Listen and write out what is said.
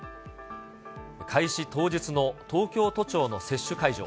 開始当日の東京都庁の接種会場。